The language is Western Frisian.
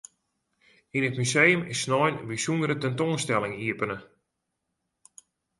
Yn it museum is snein in bysûndere tentoanstelling iepene.